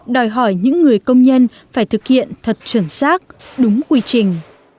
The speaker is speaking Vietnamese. đòi hỏi những người công nhân phải thực hiện thật chuẩn xác đúng quy trình